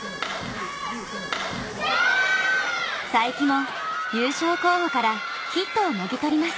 佐伯も優勝候補からヒットをもぎ取ります